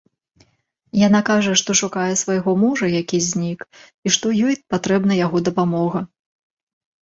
Яна кажа, што шукае свайго мужа, які знік, і што ёй патрэбна яго дапамога.